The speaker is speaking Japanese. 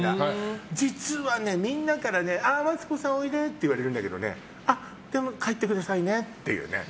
実は、みんなからマツコさんおいでって言われるんだけどあ、帰ってくださいねっていうね。